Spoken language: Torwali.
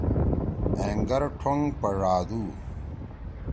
أنگر ٹھونگ پڙادُو۔